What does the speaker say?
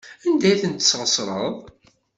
Anda ay ten-tesɣesreḍ?